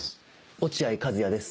落合和哉です